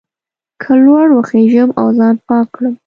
که لوړ وخېژم او ځان پاک کړم.